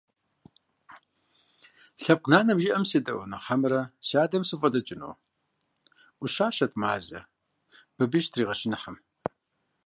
Лъэпкъ нанэм жиӀам седэӀуэну хьэмэрэ си адэм сыфӀэлӀыкӀыну?! – Ӏущэщат Мазэ, Бабий щытригъэчыныхьым.